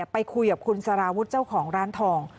ไปคุยกับคุณสารวุฒิเจ้าของร้านทอง